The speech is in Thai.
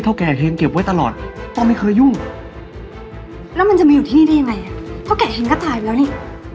เขาแครบหูจะตายไปแล้วนี่